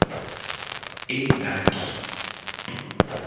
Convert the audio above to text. E da di.